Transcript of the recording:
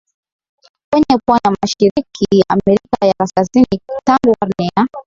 kwenye pwani ya mashariki ya Amerika ya Kaskazini tangu karne ya